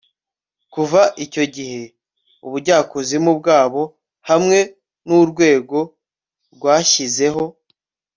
kuva icyo gihe. ubujyakuzimu bwabo hamwe nurwego rwashyizeho